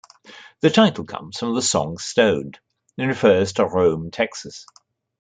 The title comes from the song, "Stoned," and refers to Rhome, Texas.